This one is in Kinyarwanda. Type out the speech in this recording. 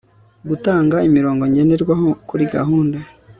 gutanga imirongo ngenderwaho kuri gahunda